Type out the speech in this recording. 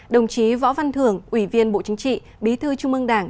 đồng chí võ văn thưởng ủy viên bộ chính trị bí thư trung ương đảng